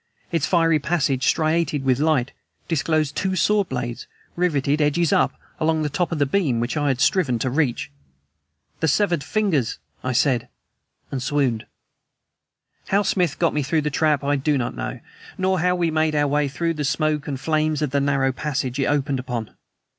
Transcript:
Its fiery passage, striated with light, disclosed two sword blades, riveted, edges up along the top of the beam which I had striven to reach. "The severed fingers " I said; and swooned. How Smith got me through the trap I do not know nor how we made our way through the smoke and flames of the narrow passage it opened upon.